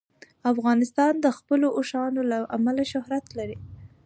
افغانستان د خپلو اوښانو له امله شهرت لري.